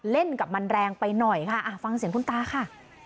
เล่นกับมันแรงไปหน่อยค่ะฟังเสียงคุณตาค่ะ